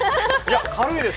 軽いです。